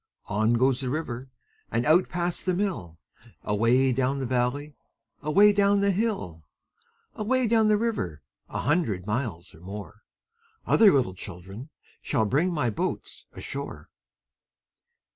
On goes the river And out past the mill, Away down the valley, Away down the hill. Away down the river, A hundred miles or more, Other little children Shall bring my boats ashore.